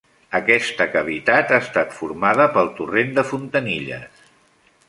Aquesta cavitat ha estat formada pel Torrent de Fontanilles.